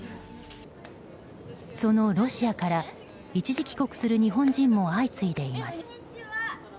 そのロシアから一時帰国する日本人も相次いでいます。